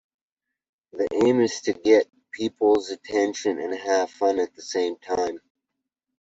The aim is to get people's attention and have fun at the same time.